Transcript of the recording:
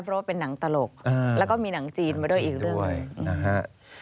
เพราะว่าเป็นหนังตลกแล้วก็มีหนังจีนมาด้วยอีกเรื่องด้วยนะฮะ